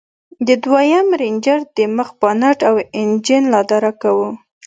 د دويم رېنجر د مخ بانټ او انجن لادرکه و.